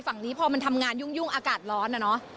ฝั่งนี้พอมันทำงานยุ่งอากาศร้อนนะเนอะ